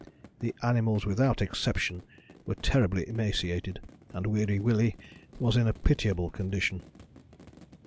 The animals, without exception, were terribly emaciated, and Weary Willie was in a pitiable condition.